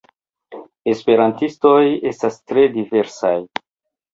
Esperantistoj estas tre diversaj.